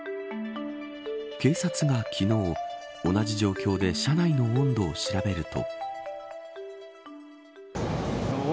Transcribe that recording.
警察が昨日同じ状況で車内の温度を調べると。